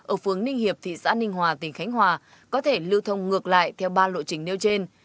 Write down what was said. ở phương ninh hiệp thị xã ninh hòa tỉnh khánh hòa có thể lưu thông ngược lại theo ba lộ trình nêu trên